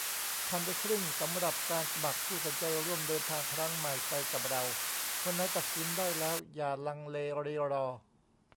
ผ่านไปครึ่งสำหรับการสมัคร ผู้สนใจร่วมเดินทางครั้งใหม่ไปกับเรา คนไหนตัดสินได้แล้ว อย่าลังเลรีรอ